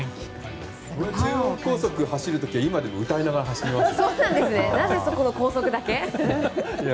中央高速走る時は今も歌いながら走ります。